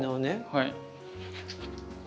はい。